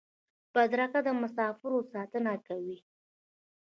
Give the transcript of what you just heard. بدرګه د مسافرو ساتنه کوي.